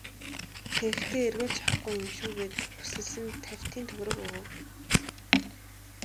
Тэгэхдээ эргүүлж авахгүй юм шүү гээд бүсэлсэн тавьтын төгрөг өгөв.